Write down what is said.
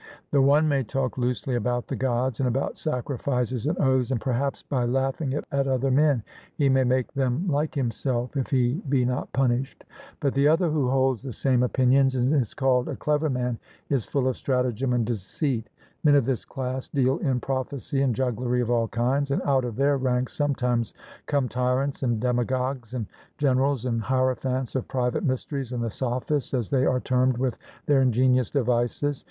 The one may talk loosely about the Gods and about sacrifices and oaths, and perhaps by laughing at other men he may make them like himself, if he be not punished. But the other who holds the same opinions and is called a clever man, is full of stratagem and deceit men of this class deal in prophecy and jugglery of all kinds, and out of their ranks sometimes come tyrants and demagogues and generals and hierophants of private mysteries and the Sophists, as they are termed, with their ingenious devices.